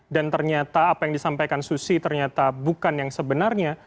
dan ternyata apa yang disampaikan susi ternyata bukan yang sebenarnya